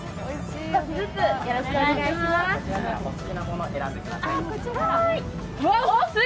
１つずつ、よろしくお願いします。